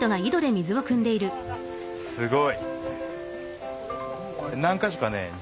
すごい。